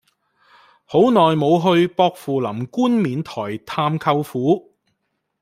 好耐無去薄扶林冠冕台探舅父